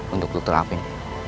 untuk dr alvin